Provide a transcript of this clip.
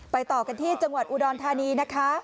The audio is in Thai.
ต่อกันที่จังหวัดอุดรธานีนะคะ